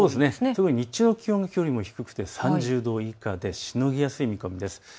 特に日中の気温がきょうよりも低くて３０度以下でしのぎやすい見込みです。